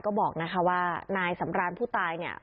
ก็บอกนะคะว่านายสำรานผู้ตายเนี่ย